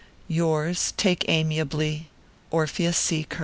Yours, take aimiably, ORPHEUS C.